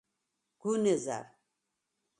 “გუნ ეზარ”.